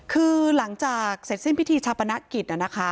คือหลังจากเสร็จเส้นพิธีชะปรณะกิจ